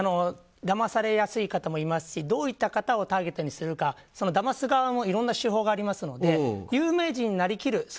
だまされやすい方もいますしどういった方をターゲットにするかだます側もいろんな手法がありますので有名人になりきる。